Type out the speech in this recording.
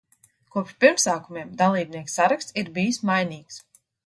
Kopš pirmsākumiem, dalībnieku saraksts ir bijis mainīgs.